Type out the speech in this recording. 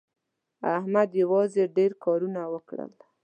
احمد یوازې ډېر کارونه وکړل.